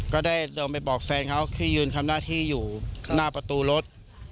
ก็ได้ลงไปบอกแฟนเขาที่ยืนทำหน้าที่อยู่หน้าประตูรถ